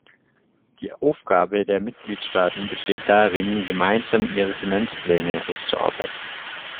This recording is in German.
Die Aufgabe der Mitgliedstaaten besteht darin, gemeinsam ihre Finanzpläne auszuarbeiten.